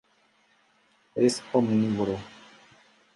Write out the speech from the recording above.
Es omnívoro.